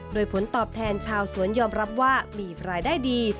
โดยผลตอบแทนชาวสวนยอมรับว่ามีรายได้ดี